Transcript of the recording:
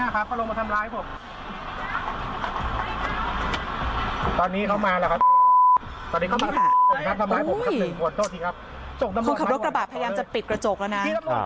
คนขับรถกระบะพยายามจะปิดกระจกแล้วนะ